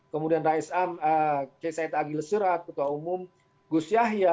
kemudian rais k said agil surat ketua umum gus yahya